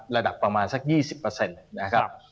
ระดับประมาณสัก๒๐นะครับ